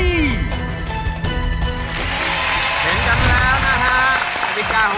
เห็นกันแล้วนะฮะ